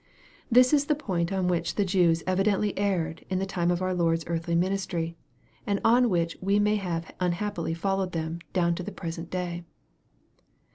This is the point on which the Jews evidently erred in the time of our Lord's earthly ministry, and on which many have unhappily followed them down to the present day.